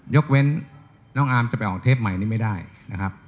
ยกเว้นน้องอาร์มจะไปออกเทปใหม่นี้ไม่ได้นะครับ